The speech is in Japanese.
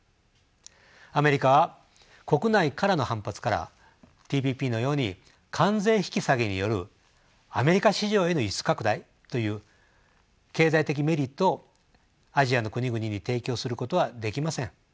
アメリカは国内からの反発からＴＰＰのように関税引き下げによるアメリカ市場への輸出拡大という経済的メリットをアジアの国々に提供することはできません。